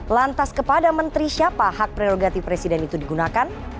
lantas kepada menteri siapa hak prerogatif presiden itu digunakan